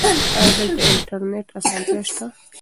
ایا دلته د انټرنیټ اسانتیا شته؟